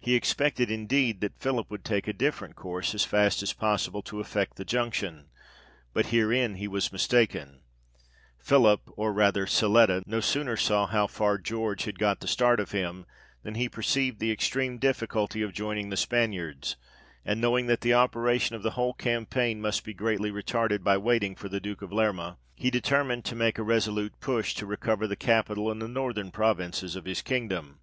He expected indeed, that Philip would take a different course as fast as possible to effect the junction : but herein he was mistaken ; Philip, or rather Siletta, no sooner saw how far George had got the start of him, than he perceived the extreme difficulty of joining the Spaniards ; and knowing that the operation of the whole campaign must be greatly retarded by waiting for the Duke of Lerma, PHILIP VII. COUNTERMARCHES ON PARIS. 77 he determined to make a resolute push, to recover the capital, and the northern provinces of his kingdom.